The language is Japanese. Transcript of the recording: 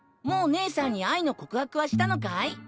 もう姉さんに愛の告白はしたのかい？